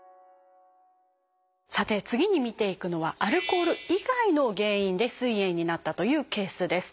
さて次に見ていくのはアルコール以外の原因ですい炎になったというケースです。